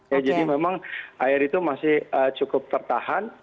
ya jadi memang air itu masih cukup tertahan